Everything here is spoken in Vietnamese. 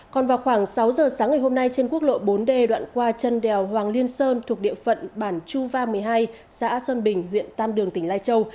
còn vào khoảng sáu giờ sáng ngày hôm nay trên quốc lộ bốn d đoạn qua chân đèo hoàng liên sơn thuộc địa phận bản chu va một mươi hai xã sơn bình huyện tam đường tỉnh lai châu